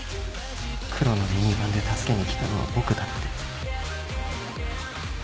黒のミニバンで助けに来たのは僕だって